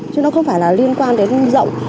chứ nó không phải là liên quan đến rộng